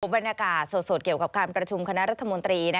บรรยากาศสดเกี่ยวกับการประชุมคณะรัฐมนตรี